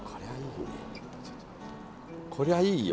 こりゃいいよ。